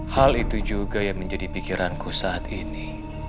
hal itu juga yang menjadi pikiranku saat ini